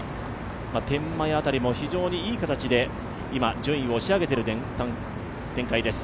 天満屋あたりも非常にいい形で順位を押し上げている展開です。